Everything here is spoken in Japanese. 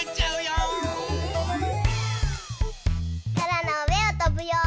そらのうえをとぶよ！